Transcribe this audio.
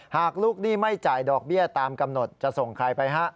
หากลูกหนี้ไม่จ่ายดอกเบี้ยตามกำหนดจะส่งใครไปฮะ